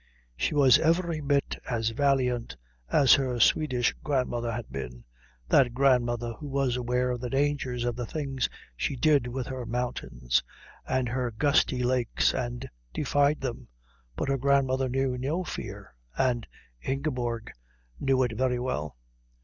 She was every bit as valiant as her Swedish grandmother had been, that grandmother who was aware of the dangers of the things she did with her mountains and her gusty lakes and defied them, but her grandmother knew no fear and Ingeborg knew it very well.